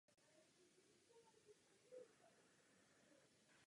Malovala především krajiny a zátiší.